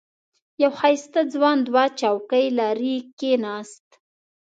یو ښایسته ځوان دوه چوکۍ لرې کېناست.